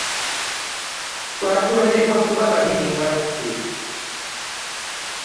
Twatondebwa kuba babiri mwattu.